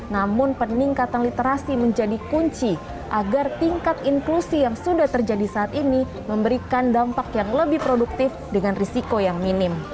namun peningkatan literasi menjadi kunci agar tingkat inklusi yang sudah terjadi saat ini memberikan dampak yang lebih produktif dengan risiko yang minim